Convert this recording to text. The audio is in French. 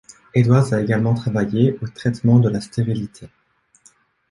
Edwards a également travaillé au traitement de la stérilité.